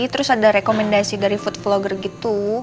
terus ada rekomendasi dari food vlogger gitu